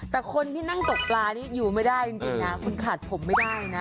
แต่คนที่นั่งตกปลานี่อยู่ไม่ได้จริงนะคุณขาดผมไม่ได้นะ